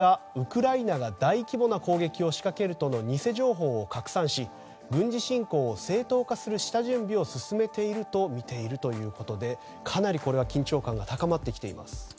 ロシア側がウクライナが大規模な攻撃を仕掛けるとの偽情報を拡散し軍事侵攻を正当化する下準備を進めているとみているということでかなり緊張感が高まってきています。